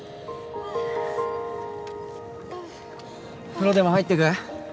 風呂でも入ってく？